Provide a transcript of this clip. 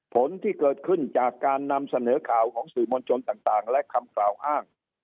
ผลที่เกิดขึ้นจากการนำเสนอข่าวของสื่อมวลชนต่างและคำกล่าวอ้าง